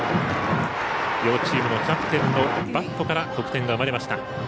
両チームのキャプテンのバットから得点が生まれました。